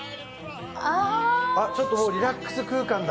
ちょっともうリラックス空間だ。